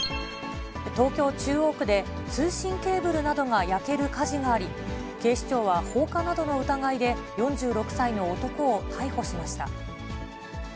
東京・中央区で通信ケーブルなどが焼ける火事があり、警視庁は放火などの疑いで、４６歳の男を逮捕しました。